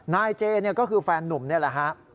นายเจนี่ก็คือแฟนนุ่มนี่แหละฮะ